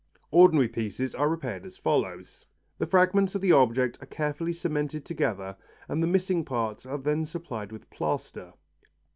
Ordinary pieces are repaired as follows. The fragments of the object are carefully cemented together and the missing parts are then supplied with plaster.